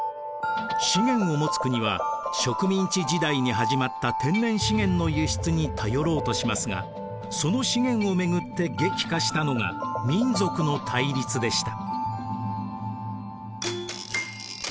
資源を持つ国は植民地時代に始まった天然資源の輸出に頼ろうとしますがその資源をめぐって激化したのが民族の対立でした。